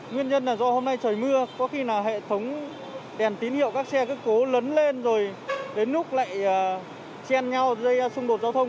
nguyên nhân là do hôm nay trời mưa có khi là hệ thống đèn tín hiệu các xe cấp cố lớn lên rồi đến lúc lại chen nhau dây xung đột giao thông